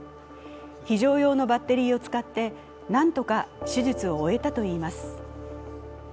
非常用のバッテリーを使ってなんとか手術を終えたといいます。